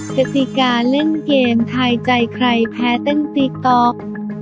คฏฯิกาเล่งเกมทีใจใครแพล้วะฝันติก